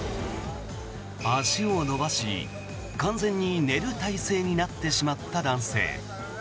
足を伸ばし、完全に寝る体勢になってしまった男性。